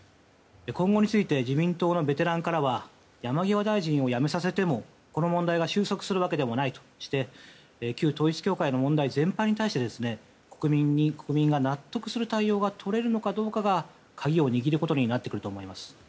今後について自民党のベテランからは山際大臣を辞めさせてもこの問題が収束するわけでもないとして旧統一教会の問題全般に関して国民が納得する対応がとれるのかどうかが鍵を握ることになってくると思います。